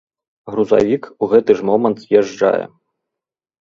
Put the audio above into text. Грузавік у гэты ж момант з'язджае.